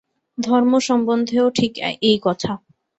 ধর্ম সম্বন্ধেও ঠিক এই কথা।